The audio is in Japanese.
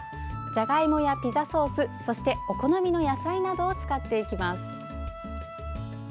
じゃがいもやピザソースそして、お好みの野菜などを使っていきます。